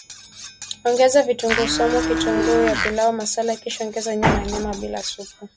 Ongeza vitunguu swaumu kitunguu na pilau masala kisha ongeza nyanya na nyama bila supu